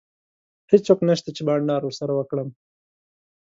هیڅوک نشته چي بانډار ورسره وکړم.